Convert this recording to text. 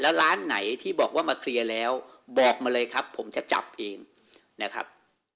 แล้วร้านไหนที่บอกว่ามาเคลียร์แล้วบอกมาเลยครับผมจะจับเองนะครับ